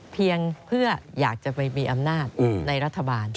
เพียงเพื่ออยากจะไปมีอำนาจในรัฐบาล